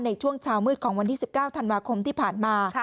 ในช่วงเช้ามืดของวันที่๑๙ธันวาคมที่ผ่านมา